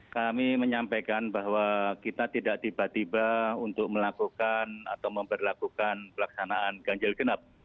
kami menyampaikan bahwa kita tidak tiba tiba untuk melakukan atau memperlakukan pelaksanaan ganjil genap